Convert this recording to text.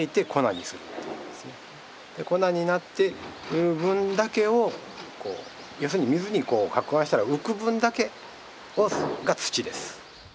粉になってる分だけを要するに水に撹拌したら浮く分だけが土です。